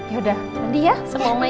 yaudah mandi ya semua oma ya